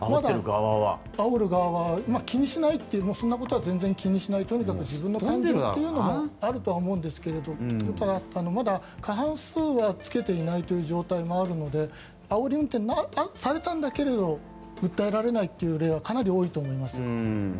あおる側はそんなことは全然気にしないというのもあると思うんですけどまだ過半数はつけていないという状態もあるのであおり運転されたんだけれど訴えられない例はかなり多いと思います。